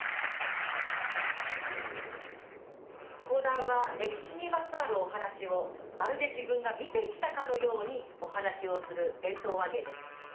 講談は歴史にまつわるお話をまるで自分が見てきたかのようにお話をする伝統話芸です。